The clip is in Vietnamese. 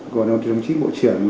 của đồng chí bộ trưởng